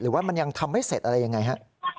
ว่ามันยังทำไม่เสร็จอะไรยังไงฮะ